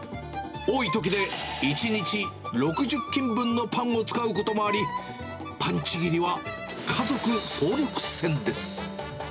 多いときで１日６０斤分のパンを使うこともあり、パンちぎりは家族総力戦です。